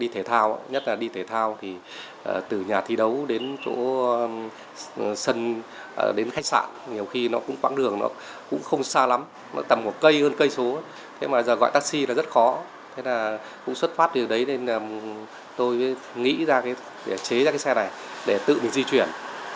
thế là cũng xuất phát điều đấy nên tôi nghĩ ra để chế ra cái xe này để tự mình di chuyển